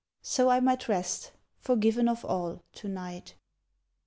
So I might rest, forgiven of all, to night.